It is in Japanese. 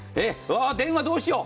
電話どうしよう。